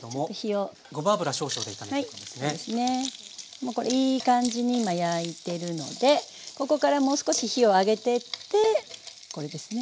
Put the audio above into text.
もうこれいい感じに今焼いてるのでここからもう少し火を上げてってこれですね。